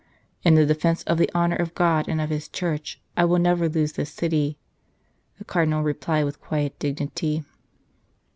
" In the defence of the honour of God and of His Church I will never lose this city," the Cardinal replied with quiet dignity.